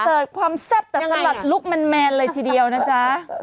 เสิร์ฟความแซ่บแต่สำหรับลุคแมนเลยทีเดียวนะจ๊ะยังไงอ่ะ